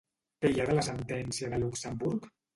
Què hi ha de la sentència de Luxemburg?